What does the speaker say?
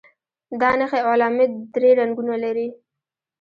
دا نښې او علامې درې رنګونه لري.